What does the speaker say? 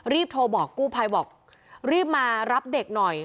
รีบโทรบอกกู้ภัยบอกรีบมารับเด็กหน่อย